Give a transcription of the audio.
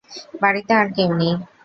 বাড়িতে আর কেউ নেই।